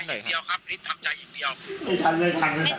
ทำอย่างเดียวครับรีบทำใจอย่างเดียว